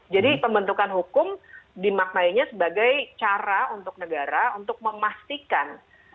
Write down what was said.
jadi pembentukan hukum dimaknainya sebagai cara untuk negara untuk memastikan